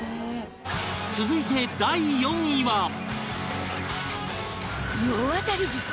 続いて第４位は